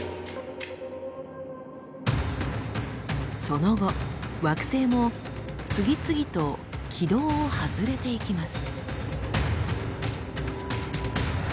その後惑星も次々と軌道を外れていきます。